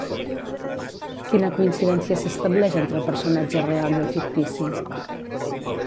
Quina coincidència s'estableix entre el personatge real i el fictici?